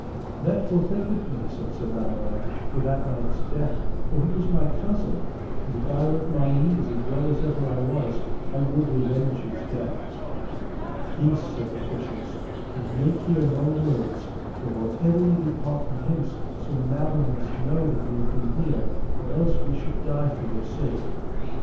That forthinketh me, said Sir Lamorak, for that knight's death, for he was my cousin; and if I were at mine ease as well as ever I was, I would revenge his death. Peace, said the fishers, and make here no words, for or ever ye depart from hence Sir Nabon must know that ye have been here, or else we should die for your sake.